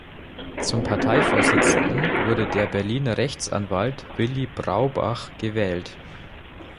Zum Parteivorsitzenden wurde der Berliner Rechtsanwalt Willy Braubach gewählt.